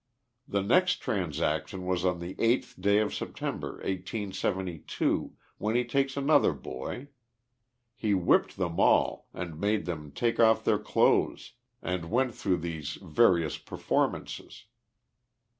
The next transaction was on the 8th day of September, 1872, when he takes another boy. He whipped them all, and made them take off their clothes and went through these various per formances.